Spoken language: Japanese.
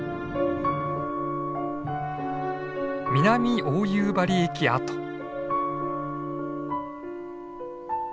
南大夕張駅跡。